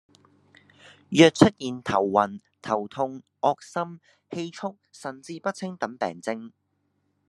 若出現頭暈、頭痛、噁心、氣促、神志不清等病徵